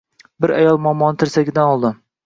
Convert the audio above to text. Bir ayol momoni tirsagidan oldi.